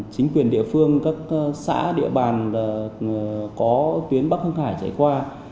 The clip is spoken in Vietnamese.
chính quyền địa phương các xã địa bàn có tuyến bắc hưng hải chạy qua